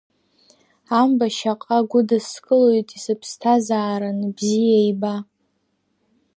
Амба шьаҟа гәыдыскылоит исыԥсҭазааран, бзиа иба.